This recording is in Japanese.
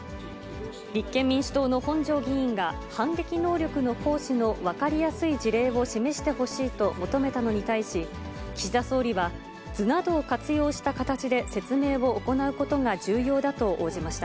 立憲民主党の本庄議員が、反撃能力の行使の分かりやすい事例を示してほしいと求めたのに対し、岸田総理は、図などを活用した形で説明を行うことが重要だと応じました。